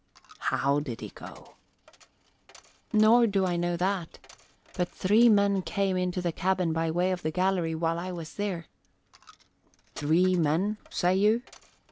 "How did he go?" "Nor do I know that. But three men came into the cabin by way of the gallery while I was there " "Three men, say you?